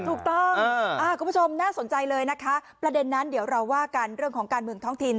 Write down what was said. ถูกต้องคุณผู้ชมน่าสนใจเลยนะคะประเด็นนั้นเดี๋ยวเราว่ากันเรื่องของการเมืองท้องถิ่น